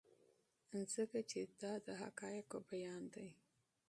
ځکه چې دا د حقایقو بیان دی.